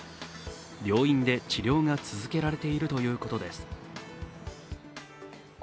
病院で治療が続けられているということです。